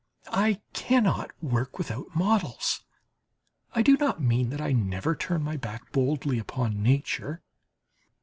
I cannot work without models. I do not mean that I never turn my back boldly upon nature